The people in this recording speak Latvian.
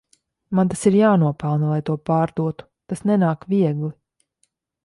Man tas ir jānopelna lai to pārdotu, tas nenāk viegli.